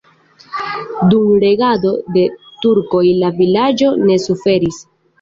Dum regado de turkoj la vilaĝo ne suferis.